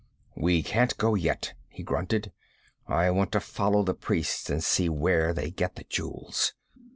'We can't go yet,' he grunted. 'I want to follow the priests and see where they get the jewels.